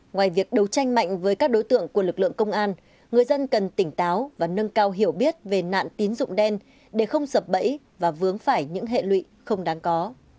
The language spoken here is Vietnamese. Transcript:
ngoài việc đấu tranh mạnh với các đối tượng của lực lượng công an người dân cần tỉnh táo và nâng cao hiểu biết về nạn tín dụng đen để không sập bẫy và vướng phải những hệ lụy không đáng có